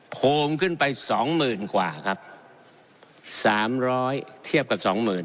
ผมขึ้นไป๒๐๐๐๐กว่าครับ๓๐๐เทียบกับ๒๐๐๐๐